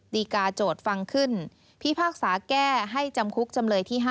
ดีกาโจทย์ฟังขึ้นพิพากษาแก้ให้จำคุกจำเลยที่๕